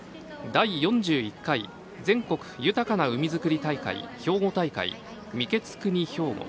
「第４１回全国豊かな海づくり大会兵庫大会御食国ひょうご」。